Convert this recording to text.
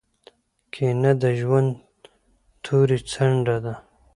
کینه د ژوند توري څنډه ده.